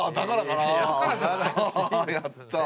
やった！